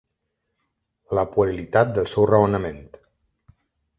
La puerilitat del seu raonament.